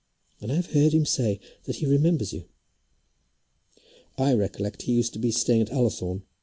And I have heard him say that he remembers you." "I recollect. He used to be staying at Ullathorne.